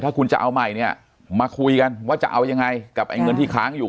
ถ้าคุณจะเอาใหม่เนี่ยมาคุยกันว่าจะเอายังไงกับไอ้เงินที่ค้างอยู่